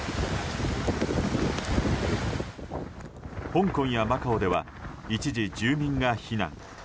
香港やマカオでは一時住民が避難。